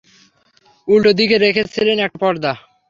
উল্টো দিকে রেখেছিলেন একটা পর্দা।